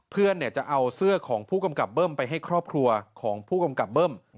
เพื่อนจะเอาเสื้อของผู้กำกับเบิ้มไปให้ครอบครัวของผู้กำกับเบิ้ม